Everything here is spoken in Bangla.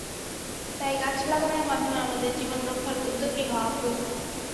তাই গাছ লাগানোর মাধ্যমের আমাদের জীবন রক্ষায় উদ্যোগী হওয়া প্রয়োজন।